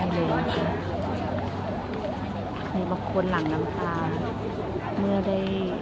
มันเป็นสิ่งที่จะให้ทุกคนรู้สึกว่ามันเป็นสิ่งที่จะให้ทุกคนรู้สึกว่า